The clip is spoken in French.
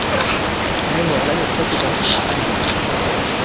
Il est mort l'année précédente à Amiens.